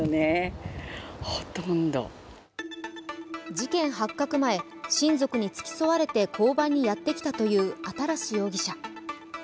事件発覚前、親族に付き添われて交番にやってきたという新容疑者。